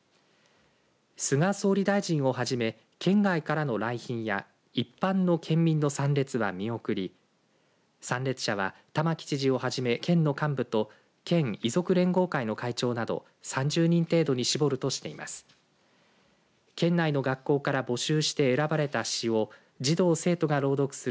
菅総理大臣をはじめ県外からの来賓や一般の県民の参列は見送り参列者は玉城知事をはじめ、県の幹部と県遺族連合会の会長など３０人程度に絞るとしています。